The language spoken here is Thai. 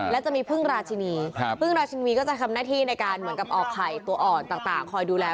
และจะมีพึ่งราชินีพึ่งราชินีก็จะทำหน้าที่ในการเหมือนกับออกไข่ตัวอ่อนต่างคอยดูแล